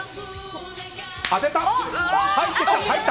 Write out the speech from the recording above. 当てた！